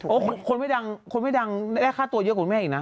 โอ้โฮคนไม่ดังได้ค่าตัวเยอะกว่าคุณแม่อีกนะ